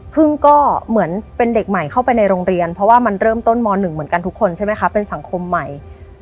พึ่งก็เหมือนเป็นเด็กใหม่เข้าไปในโรงเรียนเพราะว่ามันเริ่มต้นม๑เหมือนกันทุกคนใช่ไหมคะเป็นสังคมใหม่